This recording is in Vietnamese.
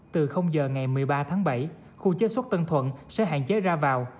từ giờ ngày một mươi ba tháng bảy khu chế xuất tân thuận sẽ hạn chế ra vào